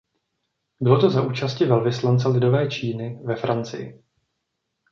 Bylo to za účasti velvyslance lidové Číny ve Francii.